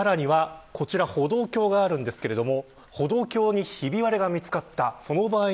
さらには、こちら歩道橋があるんですが歩道橋にひび割れが見つかった。